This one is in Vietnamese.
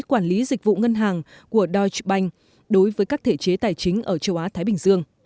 quản lý dịch vụ ngân hàng của deutsch bank đối với các thể chế tài chính ở châu á thái bình dương